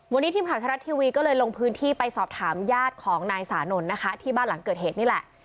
วันนี้ทีมข่าวไทยรัฐทีวีก็เลยลงพื้นที่ไปสอบถามญาติของนายสานนท์นะคะที่บ้านหลังเกิดเหตุนี่แหละ